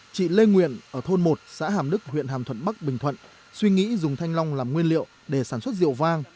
chị lê nguyện ở thôn một xã hàm đức huyện hàm thuận bắc bình thuận suy nghĩ dùng thanh long làm nguyên liệu để sản xuất rượu vang